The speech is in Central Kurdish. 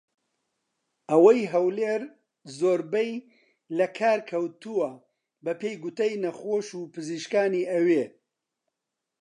ئەوەی هەولێر زۆربەی کات لە کار کەوتووە بە پێی گوتەی نەخۆش و پزیشکانی ئەوێ